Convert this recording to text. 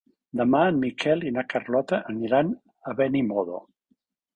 Demà en Miquel i na Carlota aniran a Benimodo.